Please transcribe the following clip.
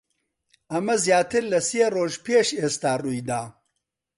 ئەمە زیاتر لە سێ ڕۆژ پێش ئێستا ڕووی دا.